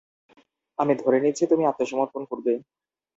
আমি ধরে নিচ্ছি তুমি আত্মসমর্পণ করবে।